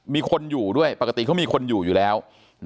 มีคนอยู่ด้วยปกติเขามีคนอยู่อยู่แล้ว